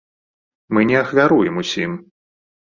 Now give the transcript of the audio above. Мы не ахвяруем усім.